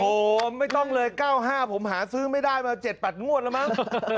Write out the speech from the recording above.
โอ้โหไม่ต้องเลย๙๕ผมหาซื้อไม่ได้มา๗๘งวดแล้วมั้ง